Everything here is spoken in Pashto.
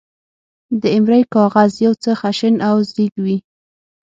د ایمرۍ کاغذ، چې یو څه خشن او زېږ وي.